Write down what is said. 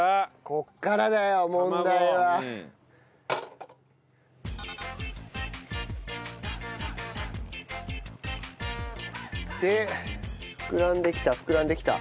ここからだよ問題は。で膨らんできた膨らんできた。